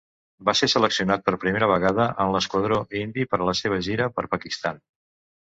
Va ser seleccionat per primera vegada en l'esquadró indi per a la seva gira per Pakistan.